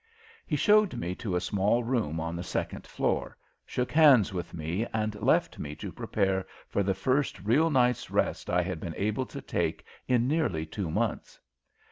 He showed me to a small room on the second floor, shook hands with me, and left me to prepare for the first real night's rest I had been able to take in nearly two months.